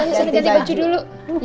bisa kejati baju dulu